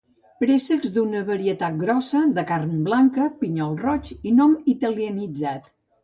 Préssecs d'una varietat grossa, de carn blanca, pinyol roig i nom italianitzant.